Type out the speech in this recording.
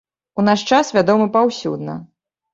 У наш час вядомы паўсюдна.